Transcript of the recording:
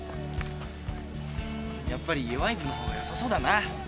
やっぱり弱い部のほうがよさそうだな。